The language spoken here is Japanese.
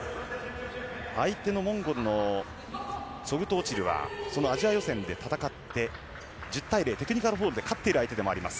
相手のモンゴルのツォグト・オチルはそのアジア予選で戦って１０対０テクニカルフォールで勝っている相手でもあります。